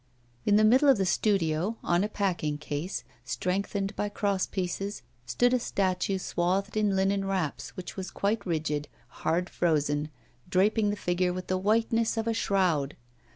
In the middle of the studio, on a packing case, strengthened by cross pieces, stood a statue swathed is linen wraps which were quite rigid, hard frozen, draping the figure with the whiteness of a shroud.